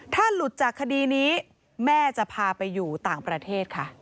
ถ้าหลุดจากคดีนี้แม่จะพาไปอยู่ต่างประเทศค่ะ